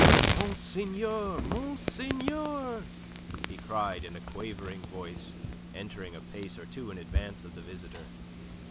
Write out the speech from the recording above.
"Monseigneur! Monseigneur!" he cried in a quavering voice, entering a pace or two in advance of the visitor.